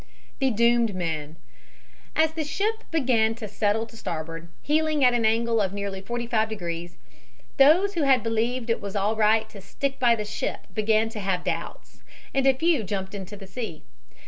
THE DOOMED MEN As the ship began to settle to starboard, heeling at an angle of nearly forty five degrees, those who had believed it was all right to stick by the ship began to have doubts, and a few jumped into the sea.